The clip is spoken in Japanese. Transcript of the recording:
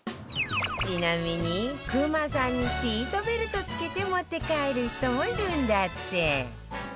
ちなみにクマさんにシートベルトを着けて持って帰る人もいるんだって